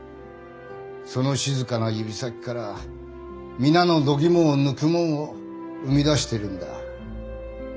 その静かな指先から皆のどぎもを抜くもんを生み出してるんだ。